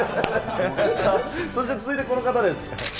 そして続いてこの方です。